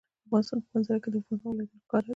د افغانستان په منظره کې د افغانستان ولايتونه ښکاره ده.